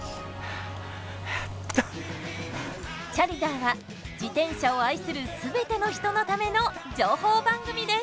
「チャリダー★」は自転車を愛する全ての人のための情報番組です。